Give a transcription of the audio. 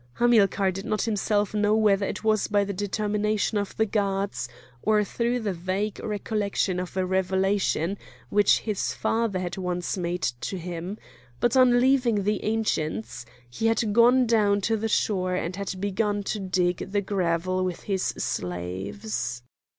Hamilcar did not himself know whether it was by the determination of the gods or through the vague recollection of a revelation which his father had once made to him; but on leaving the Ancients he had gone down to the shore and had begun to dig the gravel with his slaves.